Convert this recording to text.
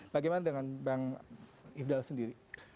bagaimana dengan bang ifdal sendiri